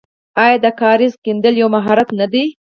آیا د کاریز کیندل یو مهارت نه دی؟